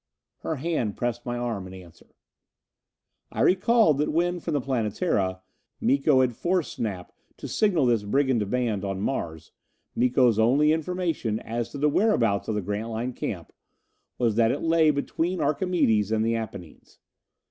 Her hand pressed my arm in answer. I recalled that when, from the Planetara, Miko had forced Snap to signal this brigand band on Mars, Miko's only information as to the whereabouts of the Grantline camp was that it lay between Archimedes and the Apennines.